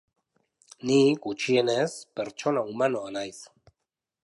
Ni, gutxienez, pertsona humanoa naiz.